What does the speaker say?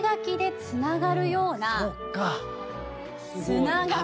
つながり。